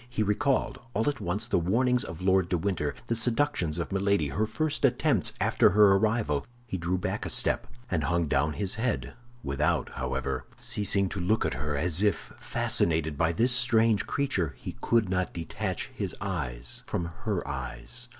He recalled, all at once, the warnings of Lord de Winter, the seductions of Milady, her first attempts after her arrival. He drew back a step, and hung down his head, without, however, ceasing to look at her, as if, fascinated by this strange creature, he could not detach his eyes from her eyes.